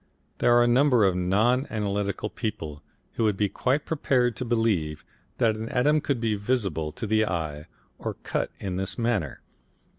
There are a number of non analytical people who would be quite prepared to believe that an atom could be visible to the eye or cut in this manner.